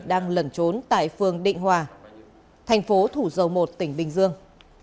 đang lẩn trốn tại phường định hòa thành phố thủ dầu một tỉnh bình dương